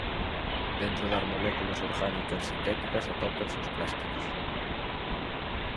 Dentro das moléculas orgánicas sintéticas atópanse os plásticos.